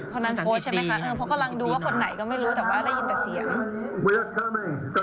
คนนั้นโพสต์ใช่ไหมคะเพราะกำลังดูว่าคนไหนก็ไม่รู้แต่ว่าได้ยินแต่เสียง